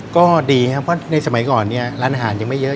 ก็ดีครับเพราะในสมัยก่อนเนี่ยร้านอาหารยังไม่เยอะ